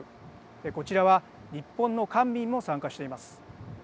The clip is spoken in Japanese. こちらは日本の官民も参加しています。